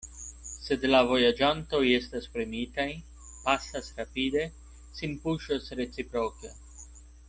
Sed la vojaĝantoj estas premitaj, pasas rapide, sin puŝas reciproke.